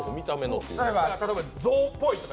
例えば象っぽいとか。